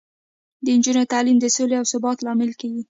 د نجونو تعلیم د سولې او ثبات لامل کیږي.